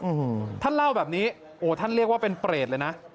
อืมท่านเล่าแบบนี้โอ้ท่านเรียกว่าเป็นเปรตเลยนะ